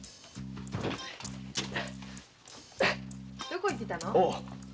どこへ行ってたの？